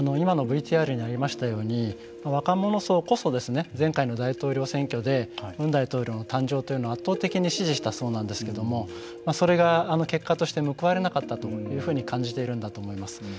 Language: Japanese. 今のＶＴＲにありましたように若者層こそ前回の大統領選挙でムン大統領の誕生というのを圧倒的に支持した層なんですけれどもそれが結果として報われなかったというふうに感じているんだと思います。